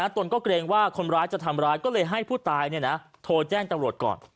ตนก็เกรงว่าคนร้ายจะทำร้ายก็เลยให้ผู้ตายโทรแจ้งตำรวจก่อน